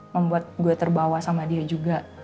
membuat gue terbawa sama dia juga